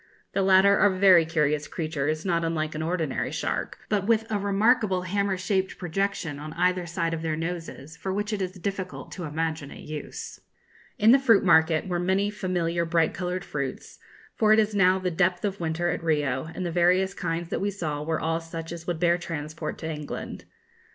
The latter are very curious creatures, not unlike an ordinary shark, but with a remarkable hammer shaped projection on either side of their noses for which it is difficult to imagine a use. In the fruit market were many familiar bright coloured fruits; for it is now the depth of winter at Rio, and the various kinds that we saw were all such as would bear transport to England.